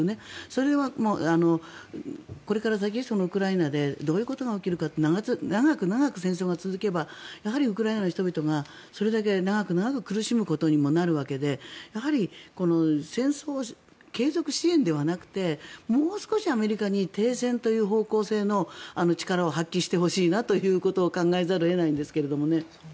それはこれから先ウクライナでどういうことが起きるかって長く長く戦争が続けばウクライナの人々がそれだけ長く長く苦しむことにもなるわけでやはり戦争継続支援ではなくてもう少しアメリカに停戦という方向性の力を発揮してほしいなということを考えざるを得ないんですが。